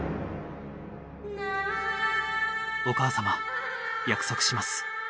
お母様約束します。